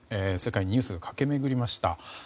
世界にニュースが駆け巡りました。